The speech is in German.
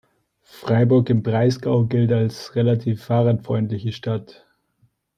Freiburg im Breisgau gilt als relativ fahrradfreundliche Stadt.